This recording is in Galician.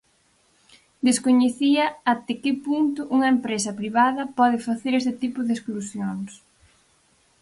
Descoñecía até que punto unha empresa privada pode facer este tipo de exclusións.